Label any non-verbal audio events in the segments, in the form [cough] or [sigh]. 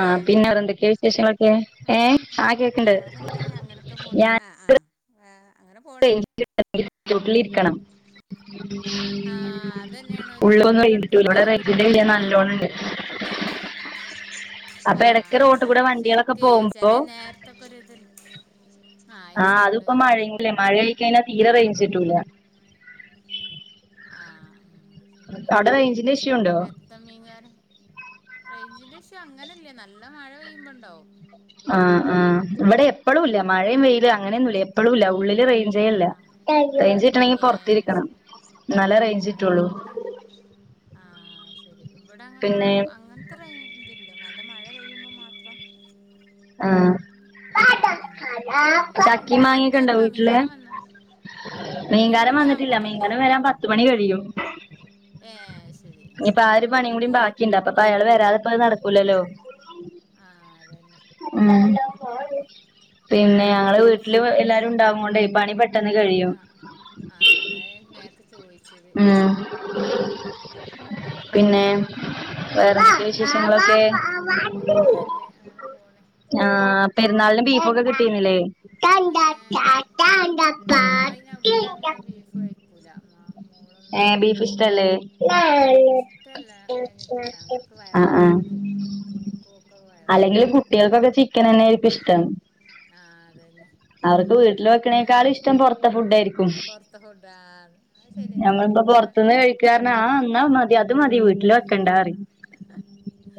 ആ പിന്നെ വേറെന്തൊക്കെയാ വിശേഷങ്ങളൊക്കെ? എഹ് ആ കേക്കണ്ട്. ഒക്കെ പോണ് ആ ആ. ആ അങ്ങനെ പോണ്. [unintelligible] ലിരിക്കണം. ആ അതന്നെയാണ് ഒരു [unintelligible] എടക്കെടക്ക് ഇങ്ങനെ ഒരു റെയിഞ്ചിന്റെ [unintelligible] പോക്ക് നല്ലോണംണ്ട്. അപ്പൊ ആ എടക് റോട്ട് കൂടെ വണ്ടികളൊക്കെ പോകുമ്പോ, [unintelligible] ത്തൊക്കെ രിതുണ്ട്. ആഹ് അത് ഇപ്പോ മഴല്ലേ. മഴായി കഴിഞ്ഞാൽ തീരെ റെയിഞ്ച് കിട്ടൂല. പെയ്തകഴിഞ്ഞ തീരെ റെയിഞ്ച് കിട്ടൂല. അ ആഹ്. അവിടെ റെയിഞ്ചിന്റെ ഇഷ്യൂ ഉണ്ടോ? റേഞ്ചിന്റെ ഇഷ്യു അങ്ങനെല്ല, നല്ല മഴ പെയ്യുമ്പോണ്ടാവും. ആഹ് ആ. ഇവിടെ എപ്പളും ഇല്ല. മഴയും വെയില് അല്ലാത്ത അങ്ങനെയൊന്നുമല്ല. എപ്പഴും ഇല്ല. ഉള്ളില് ആ റേഞ്ചേല്ല. ആ ണെങ്കി ഏ പൊറത്തിരിക്കണം. ശരി അന്നാലെ റേഞ്ച് ആ കിട്ടുള്ളൂ. ഇവിടെ ആ ശരി. ഇവിടെ അങ്ങനെ പിന്നെ ആഹ് അങ്ങെ അത്ര ഇതില്ല. നല്ല മഴ പെയ്യുമ്പോൾ മാത്രം. ആഹ് ആണ. ഉം പിന്നെ, ചക്കിം എന്താ വണ്ടി മാങ്ങിയൊക്കെ ഉണ്ടോ വന്നോ മീങ്കാര വീട്ടില് വന്നോ? മീൻകാരൻ ഇല്ല വന്നിട്ടില്ല. അമ്മക്കില്ല മീൻകാരൻ വരാൻ പത്തുമണി കഴിയും. ഏ ശരി ഇപ്പ ആ ഒരു നമ്മളതൊക്കെ പണിയും വന്ന് കൂടിയും പോയി ബാക്കിണ്ട്. അപ്പ അയാള് വരാതെപ്പോ നടക്കൂലല്ലോ. ആ അതന്നെ. ഉം. പിന്നെ ഞങ്ങള് വീട്ടില് എളച്ചി എല്ലാരും ഉണ്ടാവും കൊണ്ടേ, പണി പെട്ട [unintelligible] ആ ആ അതാ ഞാൻ നേരത്തെ ചോയിച്ചത്. ഉം എല്ലാരും കൂടി പിന്നെ ആയോണ്ട്, ഏ. വേറെന്തൊക്കെ വേറെന്തു വിശേഷങ്ങളൊക്കെ വിശേഷങ്ങളൊക്കെ? ഒക്കെ നല്ലേ അങ്ങനെ പോണ്. ആഹ് പെരുന്നാളിന് ഉം ബീഫൊക്കെ കിട്ടിണില്ലേ? ഏ നമ്മളയിന് ഇവിടെ അങ്ങനെ [unintelligible] ബീഫ് കഴിക്കൂല മ ഏ മോളൊന്നും ബീഫിഷ്ട്ടല്ലേ? [unintelligible] ക്ക്‌ വയറുവേദന എടുക്കും. ഇൻകൂ ഒക്കെ വയറുവേദന എടുക്കും. കുട്ടിയാൾക് ക്കെ ചിക്കനെ ആയിരിക്കും ഇഷ്ടം. ആ അതെ. അവർക്ക് വീട്ടില് വെക്കണേക്കാളിഷ്ടം പൊറത്തെ ഫുഡായിരിക്കും. ആ ഞമ്മളിപ്പോ പൊറത്ത്ന്ന് കഴിക്കാറിഞ്ഞ, ആ ന്നാ മതി അത് മതി വീട്ടില് വെക്കണ്ടാറിയും.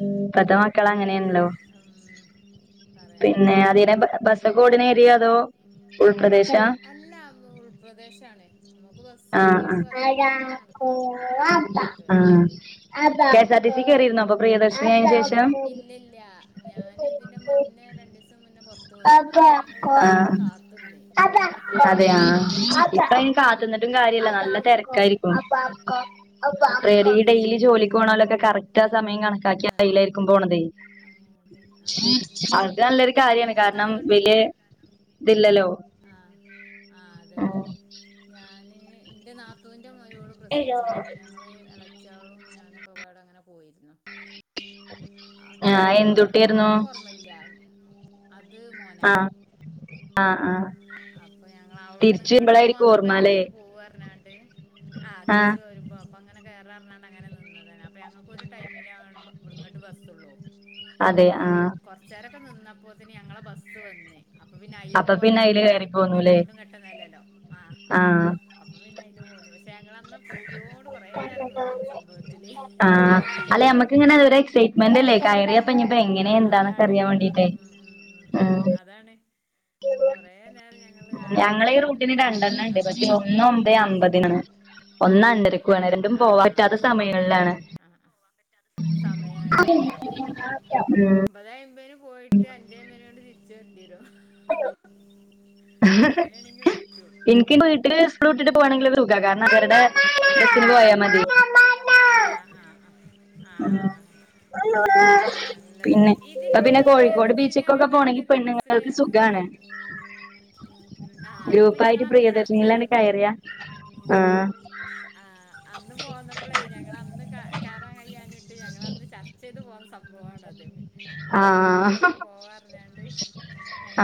ഉം. അത് പ്പത്തമക്കളങ്ങനെണ്ല്ലോ. ഉം. പിന്നെ പറയാണ്ടോ അതി [unintelligible] [unintelligible] നേരിയോ അതോ ഉൾപ്രദേശാ? അല്ല ഉൾപ്രദേശാണ് നമുക്ക് ബസ് ആ ആ ഇറങ്ങിയിട്ട് പതിനഞ്ച് മിനിറ്റ് നടക്കാണ്ട് ഇങ്ങോട്ട് ഉള്ളോട്ട് വരെ ആ കേ സർ ടി സി കേറിരുന്നോ? ഇപ്പ പ്രിയദർശിനിയായ ശേഷം? ഇല്ല. ഞാന് ഇതിനെ മുന്നേ രണ്ടിസം മുന്നേ പൊറത്ത് പോയിരുന്നു. അന്ന് ഞങ്ങള് കൊറേച്ചേരൊക്കെ കാത്ത്ന്നേ. അതെയ ഇപ്പയിന് ആ കാത്തിരിന്നിട്ടൊന്നു അപ്പൊ കാര്യല്ല. നല്ല അത്ക്ക് തെരക്കായിരിക്കും. ആ ആ [unintelligible] ഈ ഡെയിലി ശരി ആ ജോലിക്ക് പോണാലൊക്കെ കറക്റ്റ് ആ സമയം കണക്കാക്കി ആ ആ അയ്യിലായിരിക്കു പോണതെ. ആ അതെ ആ ആ അതല്ലൊരു കാര്യാണ്. ഞങ്ങക്ക് കാരണം അങ്ങോട്ട് വെല്ല്യ തില്ലല്ലോ? ആ ആ അതന്നെ. ഞാന് ഇന്റെ നാത്തൂവിന്റെ മരുമോളും, പ്രസവിച്ചിന്. അപ്പ ഞങ്ങള് ഇളച്ചാളും ഞാനൊക്കെ കൂടെ അങ്ങനെ പോയിരുന്നു. അപ്പൊ ആഹ് അങ്ങട് എന്തുട്ടിയായിരുന്നു പോയപ്പോർമില്ല. അത് മോനാ. ആ ആ അപ്പ ഞങ്ങളവിടുന്ന് ഇങ്ങട്ട് പോന്നപ്പ ഓർമ്മല്ലേ ഞങ്ങളതില് പോവറഞ്ഞാണ്ട് ആ ആഹ് തിരിച്ചു വരുമ്പ അപ്പങ്ങനെ കേററഞ്ഞാണ് അങ്ങനെ നിന്നത അപ്പ ഞങ്ങക്കൊരു ടൈമിലാമ്പവിടുങ്ങട്ട് ബസ്സള്ളു അതെ അപ്പൊ ആഹ് കൊർ സാരക്കെ നിന്നപ്പോത്തന് ഞങ്ങളെ ബസ്സ് വന്ന്. അപ്പ പിന്നെ അയില് അപ്പൊ പിന്നെ അയില് പോരാഞ്ഞാല് കേറി പിന്നെ പോന്നൂല്ലേ രണ്ടും ഘട്ടം നെലെലാവും ആ ആ അപ്പ പിന്നെ അയില് പോന്നു പഷെ ഞങ്ങളന്ന് പൂതിയോട് കൊറേ നേരം നിന്നീണ് ആഹ് സംഭവ ലേ ആഹ് അല്ലെ നമ്മക്ക് ഇങ്ങനെ കിട്ടുവോ ഒരു ഇല്ലെങ്കിറിയാ എക്സൈറ്റ്മെന്റ് അല്ലേ കയറിയപ്പ ഇനിയിപ്പോ എങ്ങനെ ആ എന്താന്നൊക്കെ അതാണ് അറിയാൻ ആ വേണ്ടീട്ടേ ഉം ഉം ഉം ഉം അതാണ് കൊറേ നേരം ഞങ്ങള് ആലോയിച്ച് ഞങ്ങളെ ഈ റൂട്ടിന് നിന്ന്ക്കണ് രണ്ടെണ്ണം പിന്നെ ഉണ്ട് ബസ് പോയാലോചാരിച്ച് ഒന്നണ്ടരക്കുവയാണ് രണ്ടും പോവാൻ പറ്റാത്ത സമയങ്ങളിലാണ്. ആ ആ സമയാണ് ഉം അതന്നെ ഒമ്പതെയമ്പയ്ന് പോയിട്ട് അഞ്ചേമ്പതിന് തിരിച്ചു വരണ്ടി വരും. [inaudible] അങ്ങനെയാണെങ്കി പറ്റും എനിക്ക് വീട്ടില് സ്കൂളിട്ടിട്ട് പോവാണെങ്കിലതുസുഖ കാരണം അവരടെ [unintelligible] പോയ മതി. ആ ആ ആ ആ ഉം ആ പിന്നെ ഇപ്പ ഇതിലിപ്പോ പിന്നെ ഈ കോയിക്കോട് പ്രിയദർശിനി ബീച്ചിക്കൊക്കെ പറയണ പോണെങ്കി ഇതില് ബസ്സില് പെണ്ണുങ്ങൾക്ക് സുഖാണ്. ആഹ് അതിപ്പോ ഗ്രൂപ്പായിട്ട് ഞങ്ങളന്ന് ചർച്ച പ്രിയദർശിനിലങ്ങട്ട് കയറിയ ആ ആ അന്നു പോന്ന പ്പളേ ഞങ്ങളന്ന് കേറാൻ കഴിയാഞ്ഞിട്ട് ഞങ്ങളന്ന് ചർച്ചെയ്ത് പോന്ന സംഭവാണത്. ആഹ് മുട്ടായിത്തെരുവുക്കൊക്കെ പോവാറിഞ്ഞാണ്ട്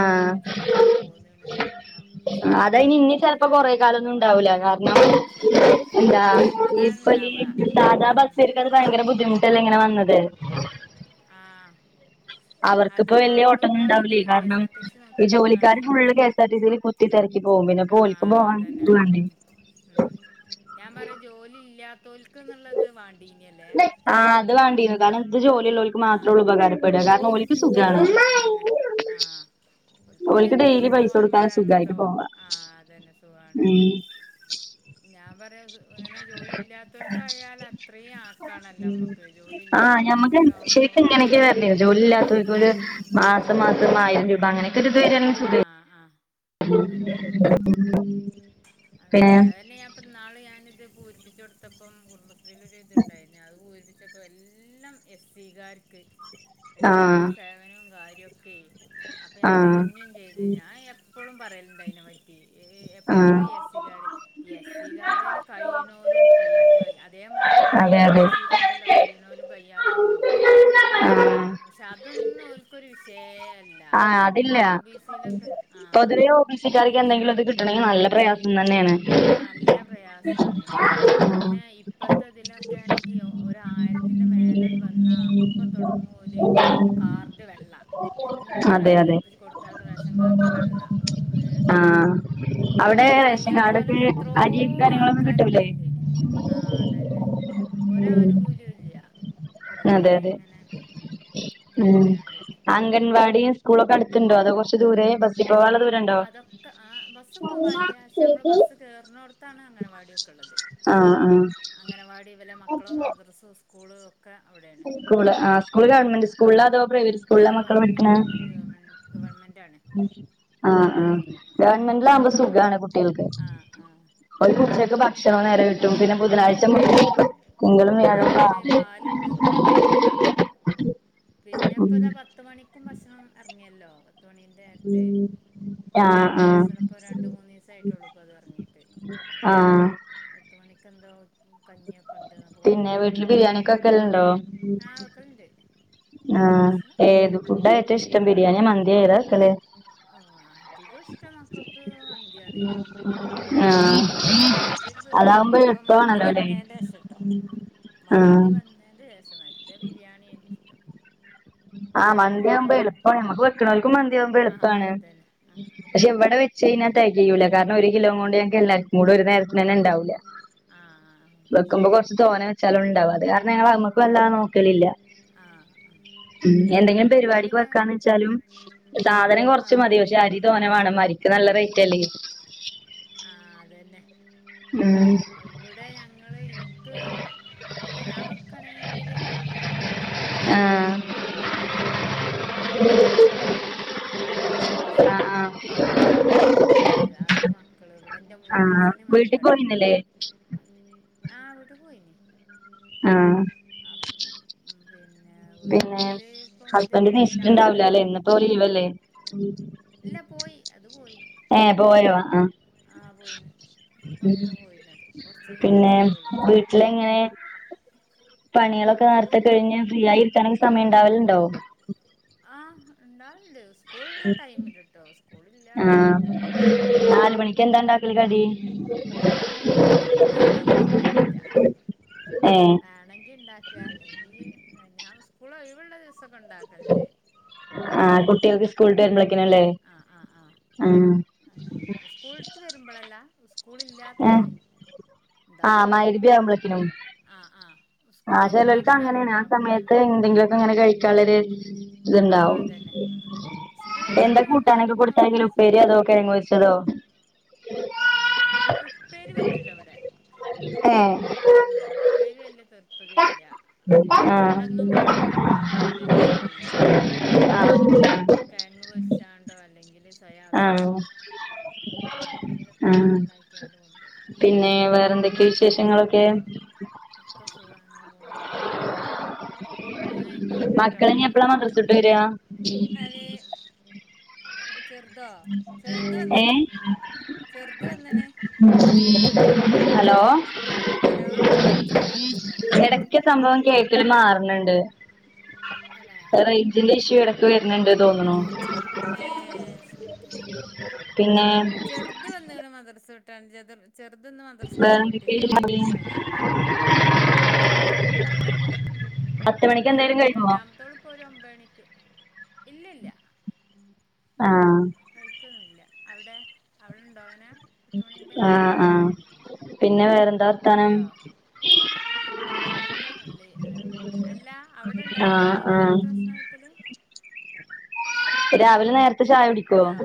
ആഹ് ചർച്ചെയ്ത് പോന്നണ് മ സ്കൂളള്ളന്ന് നോക്കിയാണ്ടങ്ങനെ പോവാറിഞ്ഞിട്ട്. [inaudible] ന എന്ത അതാണ് ഇപ്പ ഇണ്ടാവ ഉം സാധാ ഉം ബസാർക്കത് ഭയങ്കര ബുദ്ധിമുട്ടല്ലേ ഇങ്ങനെ വന്നത്. ആ അവർക്കിപ്പോ അധികം വല്യ ആളും ഇപ്പ ഓട്ടൊന്നും അയില് ഉണ്ടാവില്ലേ കാരണം കെഎസ്ആർ ടി സി ഈ നോക്കി ജോലിക്കാര് നിക്കാണേ. Full K S R T സിയിൽ കുത്തി തിരക്കി പോകും പിന്നെ ഇപ്പൊ ആ ഓൽക്കും പോവാൻ അതന്നെ ഇത് ഉം വേണ്ടേ ഉം ഉം ഞാൻ പറയാ ജോലി ഇല്ലാത്തോൽ ക്ക്‌ന്ന്ള്ളത് വാണ്ടീനിയല്ലേ ആഹ് അത് നഷ് ആ ഉകാരപ്പെട ആഹ അതന്നെ ആഹ ഒക്ക് പിന്നെ ഓൽക്ക് എന്നും ഡെയിലി പൈസ പോവാനും കൊടുക്കാതെ വരാനും സുഖായിട്ട് ഉണ്ടോ പോവാ ആഹ അതന്നെ സുഖാണ് ഉം ഞാൻ പറയാ അങ്ങനെ ജോലിയില്ല ഇല്ലാത്തോൽ കായിയാൽ അത്രയും ആക്കാണല്ലോ നമ്മക്ക് ജോലി ഇല്ലാത്തോലും കൂടി ആവുമ്പോ ജോലി ഇല്ലാത്തവർക്ക ഒരു ആഹ് മാസം മാസം ആയിരം രൂപ അങ്ങനൊക്കെ ഒരു ഇത് വരാണെങ്കി സുഖ ആഹ ആഹ [inaudible] പിന്നെ അതന്നെ അതന്നെ ഞാൻ അപ്പം നാളെ ഞാനിത് പൂരിപ്പിച്ചച്ച് കൊടുത്തപ്പം കുടുംബശ്രീയിലൊരു ഇതുണ്ടായിരുന്നു അത് പൂരിപ്പിച്ചപ്പോൾ എല്ലാം എസ് സികാർക്ക് [inaudible] എല്ലാ സേവനവും കാര്യവുക്കെ അപ്പൊ ഞാൻ ആഹ് പറഞ്ഞും ചെയ്തു ഞാൻ എപ്പഴും പറയലുണ്ട് അതിനെ പറ്റി എപ്പോഴും ആഹ് [unintelligible] [unintelligible] എസീകരൽ കഴണലുംണ്ട് കഴി അ അതേ മതി നമ്മള ഈ ഒ അതെ ബി അതെ സയിലും ഉണ്ടല്ലോ കയ്യുന്നലും കയ്യാത്തലും ആഹ് പക്ഷെ അതൊന്നും ഓല്ക്കരു വിഷയ അല്ല ആഹ് ഈ അതില്ല ഒ ബി സിയിലൊക്കെ ആഹ് പൊതുവെ ഓബിസിക്കാർക്ക് എന്തെങ്കിലും അത് കിട്ടണമെങ്കിൽ നല്ല പ്രയാസ ആഹ നല്ല പ്രയാസമാണ് പിന്നെ ഇപ്പത്തെ ഇതില ണെങ്കി ഒരു ആയിരത്തിൻ്റെ മേലെ വന്ന അപ്പം തുടങ്ങും ഓല് കാർ അത് വെള്ള എന്ത് റ അതെ അതെ എന്ത് കൊടുത്താലും റേഷൻ കാർഡ് വെള്ള ഏ ആഹ് അവിടെ അയിൽ റേഷൻ കാർഡൊക്കെ കയ്യാത്തലൊക്കെ എത്രോ അരിയും കാര്യങ്ങളൊന്നും ആൾക്കാരു കിട്ടൂലേ ണ്ടായില് ആഹ് അതന്നെ ഒരാനുകൂല്യ ഇല്ല വെറുതെ അതെ അതെ ഇങ്ങനെ ഉം ഇതാക്കിയാണ്ട് അംഗൻവാടി സ്കൂളൊക്കെ അടുത്തുണ്ടോ അതോ കുറച്ച് ദൂരെേ ബസി പോവാനുള്ള ദൂ അതൊക്കെ ആ ബസ്സ് പോകാനില്ല പക്ഷെ നമ്മള് ബസ്സ് കേറുന്നടത്താണ് അംഗനവാടിയൊക്കെ ഉള്ളത് ആഹ് ആഹ് അംഗനവാടി ഇ വല മക്കളെ മദൃസ സ്കൂള് ക്കെ അവിടെയാണ് സ്കൂള് ആഹ് സ്കൂള് ആ ഗവൺമെന്റ് അപ്പ സ്കൂളിലാ അതോ പ്രൈവറ്റ് ആ സ്കൂളിലാ മക്കള് ഗവൺമെന്റ് ഗവൺമെന്റ് പഠിക്കണെ ഗവൺമെന്റ് ഗവൺമെന്റ് ആണ് ആ ആ പിന്നെ ഗവൺമെന്റിലാകുമ്പോ സുഖാണ് ആഹ് ആഹ് ഓൽക്ക് ഉച്ചക്ക് ഗവൺമെന്റിലാ ഭക്ഷണവും ഭക്ഷണം കിട്ടും നേരെ പിന്നെ ബുധനാഴ്ച മുതല് കിട്ടും ഓ തിങ്കളും ആ വ്യാഴവും അതിണ്ട് കാലി പാല് ലിണ്ട് മുട്ടയിണ്ട് പിന്നെപ്പ ഇതാ പത്ത് മണിക്കും ഭക്ഷണം ഇറങ്ങിയല്ലോ പത്തുമണിന്റെ ഉം ആഹ് ഇപ്പൊ ആഹ് ഭക്ഷണ ഇപ്പൊ രണ്ട് മൂന്ന് ദിവസ ആയിട്ടള്ളു ഇപ്പ അത് ഇറങ്ങീട്ട് ആഹ് പത്ത് മണിക്ക് എന്തോ കഞ്ഞിയൊക്കെ ഉണ്ട് എന്നൊക്കെ പിന്നെ പറഞ്ഞിട്ട്നി വീട്ടില് മക്കള് ബിരിയാണിയൊക്കെ ആ വക്കലണ്ട് ആ ഏത് ഫുഡാ ഏറ്റോം ഇഷ്ടം ബിരിയാണിയ മന്തിയ ഏതാവെലക്കല് അധികം ഇഷ്ടം മക്കൾക്ക് മന്തിയാണേ [inaudible] എന്റെ ഒരു തൃപ്പതി അതാവുമ്പോ ഇപ്പൊ മന്തി എളുപ്പമാണല്ലോ അല്ലേ വന്നേന്റെഷംട്ടോ ആഹ് മന്തി വന്നെന്റെ ശേഷം മറ്റേ ബിരിയാണിനി ഇഷ്ടം ആ ബിരിയാണി പിന്നെ മന്തിയാവുമ്പോൾ എളുപ്പമാണ് നമ്മക്ക് വെക്കണവർക്കും മന്തിയാവുമ്പോൾ ആ എളുപ്പമാണ് അതന്നെ ആ ഉം പക്ഷെ ഉം എവിടെ വ ച്ച് കയിഞ്ഞ തേകയുല്ല കാരണം ഒരു കിലോ കൊണ്ട് ഞങ്ങക്ക് എല്ലാർക്കും കൂടെ ഒരു നേരത്തി തന്നെ ഉണ്ടാവൂല്ല ആ ആ വെക്കുമ്പോ ശരി കൊറച്ച് തോന്ന വെച്ചാലും ഉണ്ടാവും അത് കാരണം ഞങ്ങൾ അമ്മക്ക് വല്ലാതെ നോക്കലില്ല ആഹ് ആഹ് ഉമ് എന്തെങ്കിലും പരിപാടിക്ക് വെക്കാന്ന് വെച്ചാലും ആ സാധനംകൊറച്ച്മതി പക്ഷെഅരി തോനെവാണം അരിക്ക്നല്ല റേറ്റ്അല്ലേ. ആഹ് അതന്നെ ഉമ് ഇവിടെ ഞങ്ങള് ഇൻക്ക് ഇവിടെഞാൻ വെക്കയാണെങ്കില് മന്തിയാണ്ഓൽക്കിഷ്ട്ടം പക്ഷെ ആഹ് ഇവിടെഎന്തെപരിപാടിയെ കണ്ടായാൽമറ്റേ മക്കുൽ മക്കുലൂബറൈസ്സില്ലേ ആഹ് ആഹ് അത് അത് മക്കള് ഇവിടെ ന്റെ ആഹ് മൂത്തച്ഛന് മന്തി വീട്ടിൽ കടെണ് പോയിന്നില്ലേ ആഹ് വീട്ട്ക്ക് പോയിനീ ആഹ് അഹ് ഉം ഉം പിന്നെ പിന്നെവീട്ടില്ഇപ്പം ഹസ്ബൻഡ് നീച്ചിട്ടുണ്ടാവില്ല അല്ലെ ഇതിന്റെടേല്ആണ്ടുണ്ടായിന്. ഇന്നിപ്പോ ലീവല്ലേ ഇല്ല പോയി അത് പോയി ഏഹ്പോയോ ആഹ് ആഹ് പോയിണ് പൊറത്ത് പോയിണത് കൊറച്ച് പിന്നെ കഴിഞ്ഞിട്ടൊക്കെ വരുള്ളൂ വീട്ടില് എങ്ങനെ? വീട്ടില് പണിയളൊക്കെനേരത്തെകഴിഞ്ഞ് കൊഴപ്പൊന്നുല്ല ഫ്രീയായി ഇരിക്കാനൊക്കെ സമയംണ്ടാവലുണ്ടോ? ആഹ് ഇണ്ടാവൽണ്ട് സ് സ്കൂൾ ള്ള ടൈമില് ട്ടോ ആ സ്കൂളില്ലാത്ത ടൈമില് പിന്നമ്മക്ക് നാല് [unintelligible] കടി നാല് മണിക്ക് അങ്ങനെ നിർബന്ധംന്നുല്ല ഏ വേണെങ്കി ഇണ്ടാ ക്കാ അല്ലെങ്കീ ഞാൻസ്കൂളൊഴിവൂള്ള ദിവസ്സൊക്കെഉണ്ടാക്കാല്ണ്ട് ആഹ് കുട്ടികൾക്ക് സ്കൂൾട്ട് ഉം വരുമ്പളെക്ക്ണല്ലേ ആഹ് അങ്ങനെയൊക്കെള്ള സ്കൂൾട്ട് വരുമ്പോഴല്ല സ് ആ സ്കൂളില്ലാത്തന്ന് ആ ണ്ടാക്കും മഗ്‌രിബ് ആഹ് ആഹ് ആഹ് ചെലോൽക്ക് സ്കൂളില്ലാത്ത അങ്ങനെണ് ആ ടൈമില്ണ്ടാക്കും ആഹ് സമയത്ത് എന്തെങ്കിലുക്കെ ങ്ങനെ ചോയിക്കാള്ളര് ഇത്ണ്ടാവും അതന്നെ ഉം ഉം സ്കൂള് എന്താ വിട്ട് വന്നാ കൂട്ടാനൊക്കെ പിന്നെ കൊടുത്തയാക്കല് ഓൽക്ക് ഉപ്പേരി അതോ കിഴങ്ങ് പൊര്ച്ചതോ? അഹ് യാഹ് ഉപ്പേരി പറ്റൂലാ വിടെ എഹ് ആഹ് ഉപ്പേരിയല്ല [unintelligible] പതില്ല ആ പിന്നെഅവിടൊന്നും കറിംകൂട്ടാനൊന്നും ഇല്ലല്ലോ സ്കൂൾല് അപ്പൊ പിന്നെ ആഹ് കെഴങ്ങ്പൊരിച്ചാണ്ടോ ആഹ് അല്ലെങ്കില്സൊയാബീനോ അഹ് അങ്ങനെഎന്തെങ്കിലൊക്കെ കൂട്ടാണ്ടാക്കിയാണ്ട് കൊണ്ടൊവും പിന്നെ വേറെന്തൊക്കെയ ചമ്മന്തിയൊ വിശേഷങ്ങളൊക്കെ ച്ചാറോ ഒക്കെസുഖാഅങ്ങനെ പോണ്. ഇന്ന അയ്കൊട്ടെട്ടോ മക്കളിനി ന്ന എപ്പളാ വിളിക്ക മദ്രസ വിട്ട് വരാ അതെ വു ചെറുതോ ചെറുത് വന്ന്ണ് ഏഹ് ചെറുത് വന്ന്ണ് ഹലോ ഹലോ [unintelligible] മാറണണ്ട് അല്ലെ റേജിന്റെ ഇഷ്യു ഇടക്ക് വര്ണ്ണ്ട് തോന്ന്ണു ഏഹ് ശരി പിന്നെ ത് വന്ന്ണ് മദ്രസ് വിട്ടാണ്ട് [unintelligible] ചെറുത് ന്ന് മദ്രസ്ക്ക് വേറെന്തൊക്കെയ പോയിട്ടില്ല വിശേഷങ്ങള് ഓന് പനിയായിട്ട് ഒക്കെ അങ്ങനെപോണ് പത്ത് മണിക്ക് മറ്റേ എന്തായാലും കഴിക്കുമോ രണ്ടാമത്തോള് ഇപ്പൊ ഒരു ഒമ്പണിക്ക് ഇല്ലില്ല ആഹ് കഴിക്കൊന്നുല്ല അവിടെ അവിടെണ്ടോ അങ്ങനെ? പത്ത് മണീന്റെ ആഹ് നേരത്ത് ആഹ് പിന്നെ വേറെന്താ വർത്താനം? ഒക്കെനല്ലേഹ് അങ്ങനെപോണ് അല്ല അവിടെണ്ടോ ആഹ് പത്ത്മണീന്റെ ആഹ് നേരത്ത് ഭക്ഷ്ണം കഴിക്കല് രാവിലെ നേരത്തെ ചായൊടിക്കോ? ഹലോ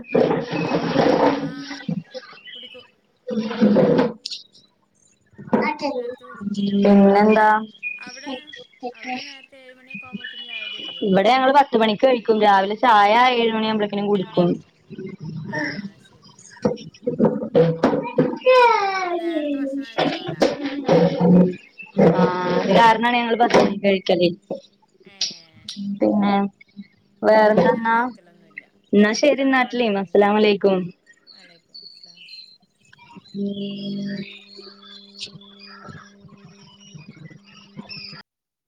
ആഹ് കുടിക്കും. [unintelligible] നേരത്തെ വിളിക്കും പിന്നന്താ അവിടെ അവിടെ അവിടെ നേരത്തെ ഏഴ് മണിയൊക്കെ ആകുമ്പോത്തിന് ചായ കുടി കയ്യോ ഇവിടെ ഞങ്ങള് പത്ത് മണിക്ക് കഴിക്കും രാവിലെ ചായ ഏഴ് മണിവുമ്പളേക്കിനും കുടിക്കും ആഹ് ശരി ആഹ് ആ അപ്പൊ നേരത്തെ ഭക്ഷണം കഴിക്കണോല ആഹ് അത് കാരണാണ് ഞങ്ങള് പത്ത് മണിക്ക് കഴിക്കല് ഏഹ് പിന്നെ ഇവിടെ അങ്ങനെ വേറന്തന്നാ കഴിക്കലൊന്നുല്ല എന്നാ നമ്മള് ശരി നാട്ടിലേ അസ്സലാം അലയ്ക്കും വഅലൈക്കും സലാം [unintelligible]